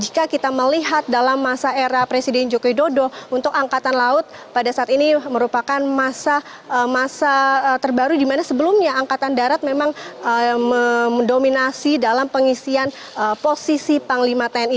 jika kita melihat dalam masa era presiden joko widodo untuk angkatan laut pada saat ini merupakan masa terbaru di mana sebelumnya angkatan darat memang mendominasi dalam pengisian posisi panglima tni